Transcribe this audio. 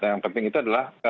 yang penting itu adalah